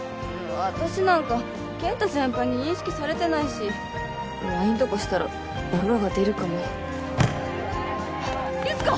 私なんか健太先輩に認識されてないしＬＩＮＥとかしたらボロが出るかもあっ律子！